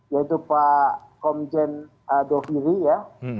yaitu pak komjen dohiri ya